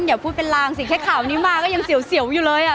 อย่าพูดเป็นลางสิแค่ข่าวนี้มาก็ยังเสียวอยู่เลยอ่ะ